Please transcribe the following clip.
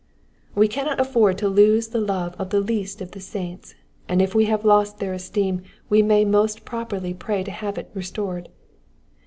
We cannot afford to lose the love of the least of the saints, and if we have lost their esteem we may most properly pray to have it restored.